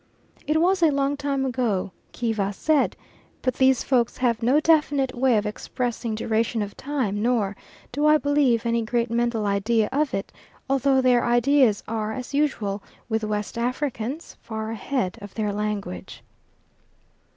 It was a long time ago, Kiva said, but these folks have no definite way of expressing duration of time nor, do I believe, any great mental idea of it; although their ideas are, as usual with West Africans, far ahead of their language.